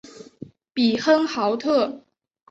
比亨豪特。